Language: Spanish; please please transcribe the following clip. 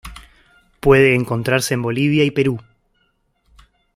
Puede encontrarse en Bolivia y Perú.